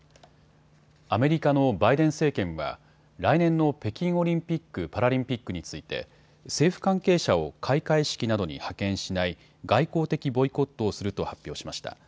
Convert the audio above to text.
アメリカのバイデン政権は来年の北京オリンピック・パラリンピックについて政府関係者を開会式などに派遣しない外交的ボイコットをすると発表しました。